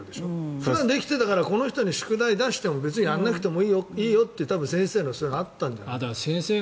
普段できてるからこの人に宿題を出しても別にやらなくてもいいよって多分、先生のそれがあったんじゃない？